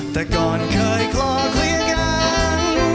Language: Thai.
แต่ก่อนเคยขอเคลียร์กัน